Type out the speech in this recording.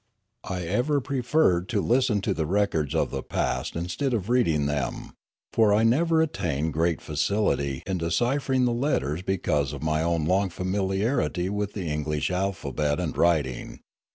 I ever preferred to listen to the records of the past Fialume 83 instead of reading them; for I never attained great facility in deciphering the letters because of my own long familiarity with the English alphabet and writing.